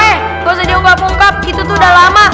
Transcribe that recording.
eh kau sedih enggak pungkap itu tuh udah lama